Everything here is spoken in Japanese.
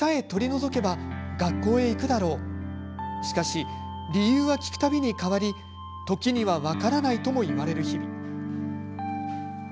しかし、理由は聞く度に変わり時には、分からないとも言われる日々。